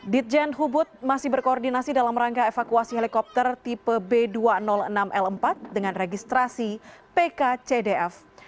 ditjen hubud masih berkoordinasi dalam rangka evakuasi helikopter tipe b dua ratus enam l empat dengan registrasi pkcdf